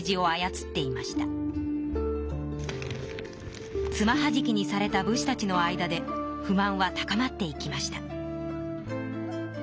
つまはじきにされた武士たちの間で不満は高まっていきました。